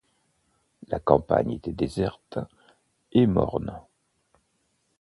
La campagne était déserte et morne.